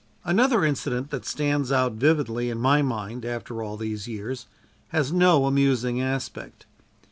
Another incident that stands out vividly in my mind after all these years, has no amusing aspect.